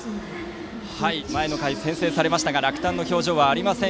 前の回、先制されましたが落胆の表情はありません